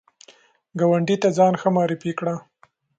ګاونډي ته ځان ښه معرفي کړه